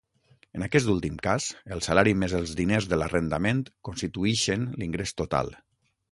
En aquest últim cas, el salari més els diners de l'arrendament constituïxen l'ingrés total.